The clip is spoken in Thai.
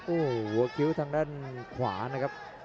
โอ้โหหัวคิ้วทางด้านขวานะครับ